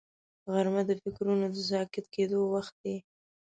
غرمه د فکرونو د ساکت کېدو وخت دی